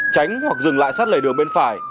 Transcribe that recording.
tránh hoặc dừng lại sát lẩy đường bên phải